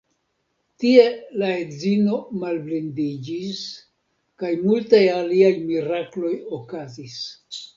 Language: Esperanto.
Tie la edzino malblindiĝis kaj multaj aliaj mirakloj okazis.